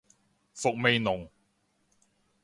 伏味濃